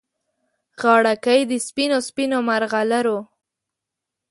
غاړګۍ د سپینو، سپینو مرغلرو